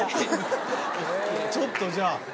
ちょっとじゃあ。